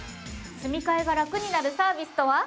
住み替えが楽になるサービスとは？